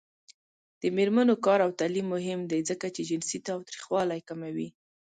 د میرمنو کار او تعلیم مهم دی ځکه چې جنسي تاوتریخوالی کموي.